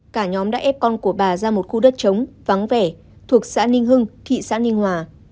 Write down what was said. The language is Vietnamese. cả nhóm đã ép con của bà ra một khu đất trống vắng vẻ thuộc xã ninh hưng thị xã ninh hòa